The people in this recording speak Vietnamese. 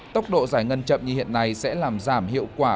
tốc độ giải ngân chậm như hiện nay sẽ làm giảm hiệu quả